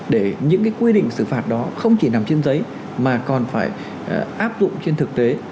để những quy định xử phạt đó không chỉ nằm trên giấy mà còn phải áp dụng trên thực tế